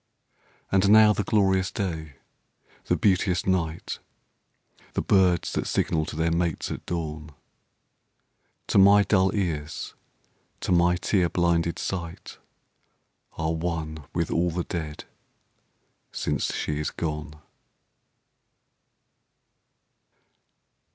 And now the glorious day, the beauteous night, The birds that signal to their mates at dawn, To my dull ears, to my tear blinded sight Are one with all the dead, since she is gone.